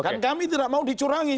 kan kami tidak mau dicurangi